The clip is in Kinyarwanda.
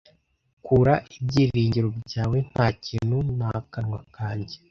kura ibyiringiro byawe ntakintu nakanwa kanjye